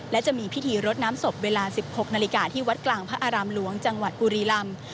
และจะมีพิธีรดน้ำศพเวลา๑๖นาฬิกาที่วัดกลางพระอารามหลวงจังหวัดบุรีลำ